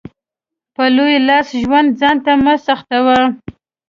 په لوی لاس ژوند ځانته مه سخوئ.